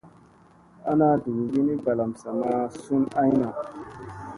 Ana dugugi ni balam sa ma sun ay fogogina duk ngikka dewda.